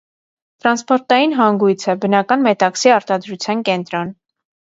Տրանսպորտային հանգույց է, բնական մետաքսի արտադրության կենտրոն։